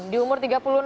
di umur tiga puluh enam